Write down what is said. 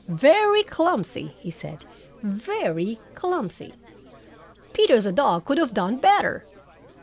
"Very clumsy," he said. "Very clumsy. Peter the dog could have done better."